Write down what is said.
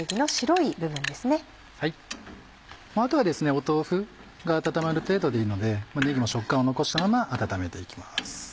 あとは豆腐が温まる程度でいいのでねぎも食感を残したまま温めて行きます。